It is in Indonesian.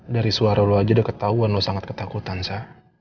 dari suara lo aja udah ketahuan lo sangat ketakutan saya